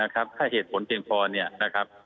ถ้าเหตุผลเป็นความเข้าใจเนี่ยนะครับ